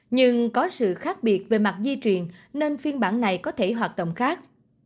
nhưng có sự khác biệt về mặt di truyền nên phiên bản này có thể hoạt động khác